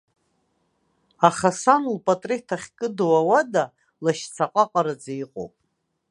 Аха сан лпатреҭ ахькыду ауада лашьцаҟаҟараӡа иҟоуп.